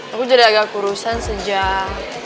aku jadi agak kurusan sejak